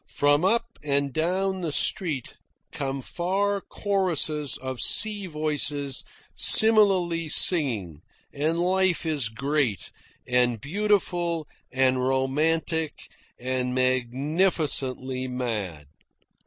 From up and down the street come far choruses of sea voices similarly singing, and life is great, and beautiful and romantic, and magnificently mad.